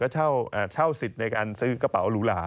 ก็เช่าสิทธิ์ในการซื้อกระเป๋าหรูหลา